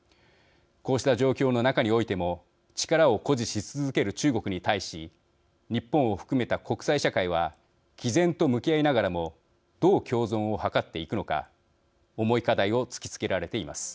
こうした状況の中においても力を誇示し続ける中国に対し日本を含めた国際社会はきぜんと向き合いながらもどう共存を図っていくのか重い課題を突きつけられています。